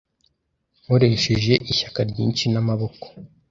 Nkoresheje ishyaka ryinshi namaboko